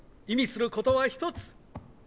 意味することは一つ。